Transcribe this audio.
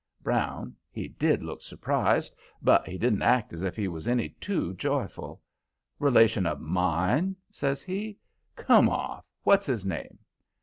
Brown, he did look surprised, but he didn't act as he was any too joyful. "Relation of MINE?" says he. "Come off! What's his name?"